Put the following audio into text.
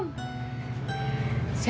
apa kabar semuanya